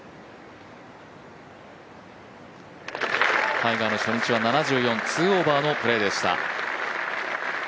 タイガー、初日は７４、２オーバーのプレーでした。